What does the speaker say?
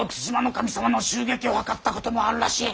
守様の襲撃を謀ったこともあるらしい。